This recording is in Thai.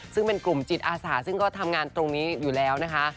ซึ่งเป็นกลุ่มจิตอาสาซึ่งก็ทำงานตรงนี้อยู่แล้วนะคะ